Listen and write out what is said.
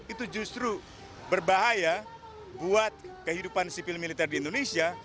itu justru berbahaya buat kehidupan sipil militer di indonesia